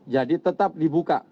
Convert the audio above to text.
jadi tetap dibuka